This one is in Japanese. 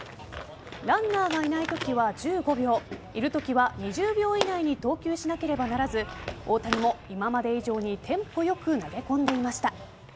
ランナーがいないときは１５秒いるときは２０秒以内に投球しなければならず大谷も今まで以上にテンポ良く投げ込んでいました。